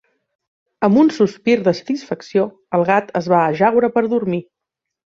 Amb un sospir de satisfacció, el gat es va ajaure per dormir.